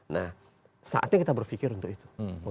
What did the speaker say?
nah saatnya kita berpikir untuk itu